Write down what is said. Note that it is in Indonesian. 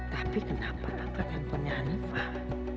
tapi kenapa tak pengen punya hanifah